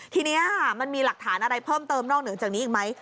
ทีนี้มันมีหลักฐานอะไรเพิ่มเติมนอกเหนือจากนี้อีกไหม